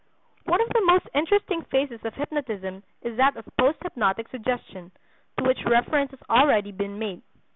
One of the most interesting phases of hypnotism is that of post hypnotic suggestion, to which reference has already been made.